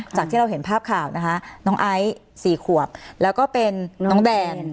ที่เราเห็นภาพข่าวนะคะน้องไอซ์๔ขวบแล้วก็เป็นน้องแดน